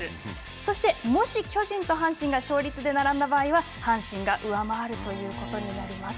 そして、もし巨人と阪神が勝率で並んだ場合は阪神が上回るということになります。